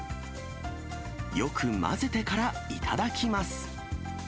よく混ぜてから頂きます。